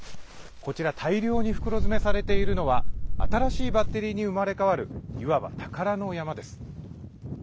こちら、大量に袋詰めされているのは新しいバッテリーに生まれ変わるいわば宝の山です。